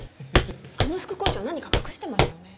あの副校長何か隠してますよね。